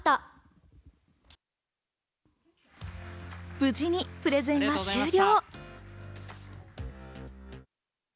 無事にプレゼンが終了。